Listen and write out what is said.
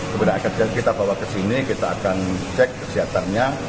kemudian akhirnya kita bawa ke sini kita akan cek kesiapannya